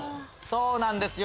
そうなんですよ